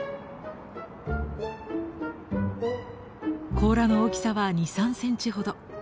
甲羅の大きさは２３センチほど。